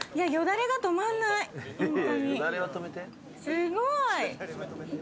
すごい！